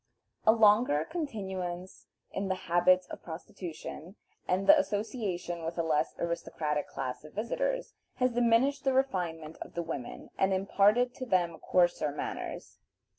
A longer continuance in the habits of prostitution, and the association with a less aristocratic class of visitors, has diminished the refinement of the women and imparted to them coarser manners.